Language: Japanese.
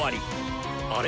あれ？